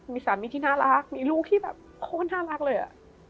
มีสามีที่น่ารักมีลูกที่แบบโอ้น่ารักเลยอ่ะ